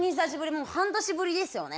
もう半年ぶりですよね。